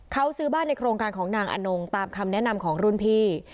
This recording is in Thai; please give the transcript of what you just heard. เขาซื้อบ้านในโครงการของนางอนงตามคำแนะนำของรุ่นพี่